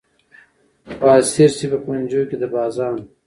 خو اسیر سي په پنجو کي د بازانو